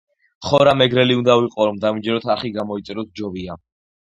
ხო რა მეგრელი უნდა ვიყო რომ დამიჯეროთ არხი გამოიწეროთ ჯობია